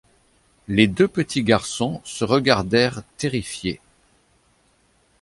Les deux petits garçons se regardèrent terrifiés.